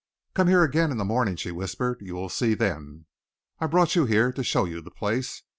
"Come here again in the morning," she whispered. "You will see then. I brought you here to show you the place.